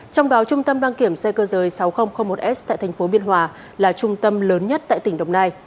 trong đó trung tâm đăng kiểm xe cơ giới sáu nghìn một s tại thành phố biên hòa là trung tâm lớn nhất tại tỉnh đồng nai